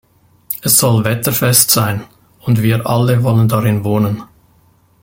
Es soll wetterfest sein, und wir alle wollen darin wohnen.